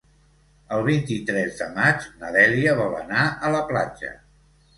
El vint-i-tres de maig na Dèlia vol anar a la platja.